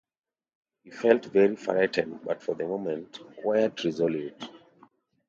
He felt very frightened but — for the moment — quite resolute.